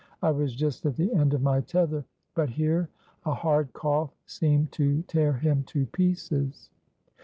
I was just at the end of my tether," but here a hard cough seemed to tear him to pieces.